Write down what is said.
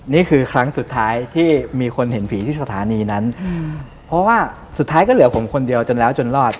นี่คือครั้งสุดท้ายที่มีคนเห็นผีที่สถานีนั้นเพราะว่าสุดท้ายก็เหลือผมคนเดียวจนแล้วจนรอด